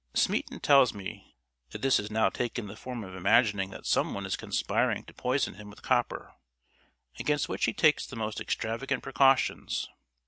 Smeaton tells me that this has now taken the form of imagining that some one is conspiring to poison him with copper, against which he takes the most extravagant precautions.